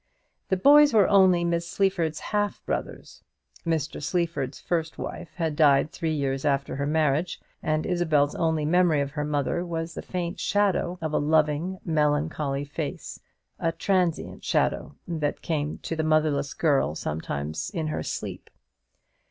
The boys were only Miss Sleaford's half brothers. Mr. Sleaford's first wife had died three years after her marriage, and Isabel's only memory of her mother was the faint shadow of a loving, melancholy face; a transient shadow, that came to the motherless girl sometimes in her sleep.